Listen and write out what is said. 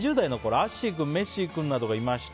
アッシー君メッシー君などがいました。